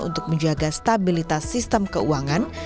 untuk menjaga stabilitas sistem keuangan